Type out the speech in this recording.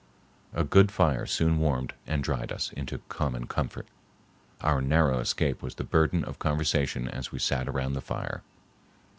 A good fire soon warmed and dried us into common comfort. Our narrow escape was the burden of conversation as we sat around the fire.